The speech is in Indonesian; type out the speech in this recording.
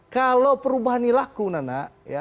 kalau perubahan ini laku nana